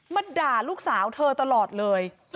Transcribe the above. มาด่าลูกสาวเธอตลอดเลย